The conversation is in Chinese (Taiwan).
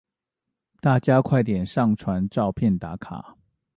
大家快點上傳照片打卡